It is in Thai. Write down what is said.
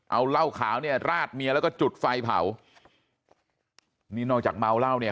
เอาเหล้าขาวเนี่ยราดเมียแล้วก็จุดไฟเผานี่นอกจากเมาเหล้าเนี่ย